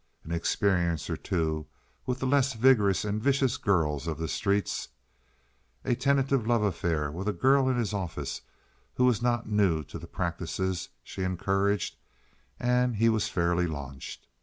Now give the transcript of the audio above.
An experience or two with the less vigorous and vicious girls of the streets, a tentative love affair with a girl in his office who was not new to the practices she encouraged, and he was fairly launched.